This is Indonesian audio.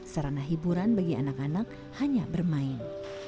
sarana hiburan bagi anak anak hanya bermain